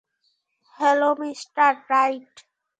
Hello, mister right.